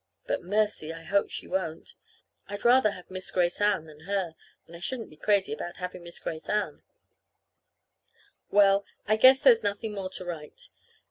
But, mercy! I hope she won't. I'd rather have Miss Grace Ann than her, and I shouldn't be crazy about having Miss Grace Ann. Well, I guess there's nothing more to write.